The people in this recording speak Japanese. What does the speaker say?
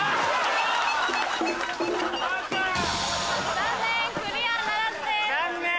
残念クリアならずです。